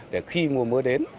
để khi mùa mưa đến